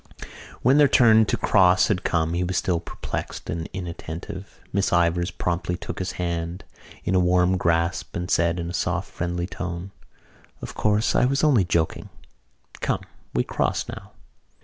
When their turn to cross had come he was still perplexed and inattentive. Miss Ivors promptly took his hand in a warm grasp and said in a soft friendly tone: "Of course, I was only joking. Come, we cross now."